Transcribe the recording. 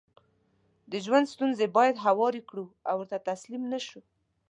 دژوند ستونزې بايد هوارې کړو او ورته تسليم نشو